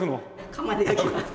釜で焼きます。